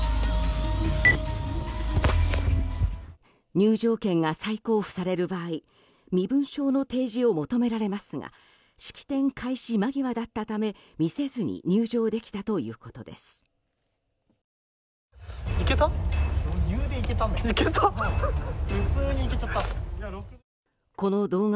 入場券が再交付される場合身分証の提示を求められますが式典開始間際だったため見せずに入場できたということです。